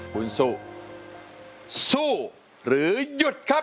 คุณสู้สู้หรือหยุดครับ